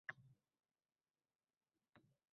Gulchehra opam yig`ladi, siqtadi